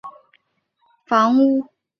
两人婚后搬进桥上的房屋。